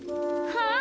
はあ？